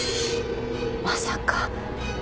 まさか。